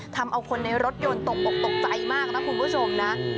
ทำเอาคนในรถยนต์ตกออกตกใจมากนะคุณผู้ชมนะ